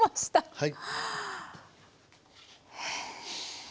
はい。